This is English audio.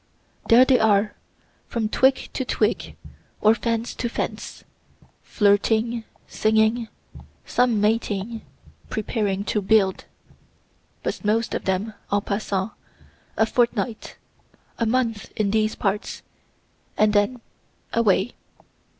there they are, from twig to twig, or fence to fence, flirting, singing, some mating, preparing to build. But most of them en passant a fortnight, a month in these parts, and then away.